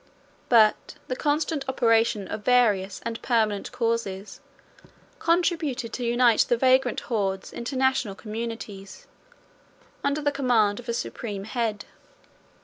But the constant operation of various and permanent causes contributed to unite the vagrant Hords into national communities, under the command of a supreme head.